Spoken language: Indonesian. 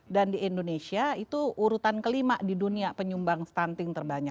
dan di indonesia itu urutan kelima di dunia penyumbang stunting terbanyak